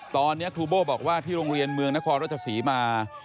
ตอนนี้ครูโบ้บอกว่าที่โรงเรียนเมืองนครราชศรีมา